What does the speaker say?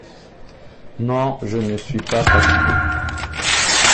Non... je ne suis pas fatigué...